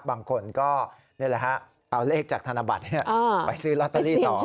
บางคนก็นี่แหละฮะเอาเลขจากธนบัตรไปซื้อลอตเตอรี่ต่อ